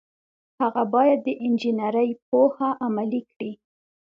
هغه باید د انجنیری پوهه عملي کړي.